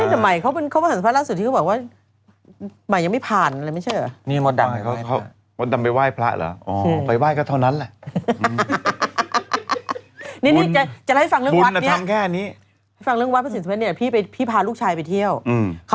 แต่หมายเขาเป็นสินสุพันธ์ล่าสุดที่เขาบอกว่าหมายยังไม่ผ่านอะไรไม่เชื่อ